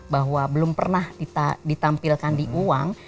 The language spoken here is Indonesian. bahwa belum pernah ditampilkan di uang